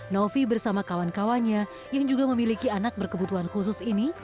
novi bersama kawan kawannya yang juga memiliki anak berkebutuhan khusus ini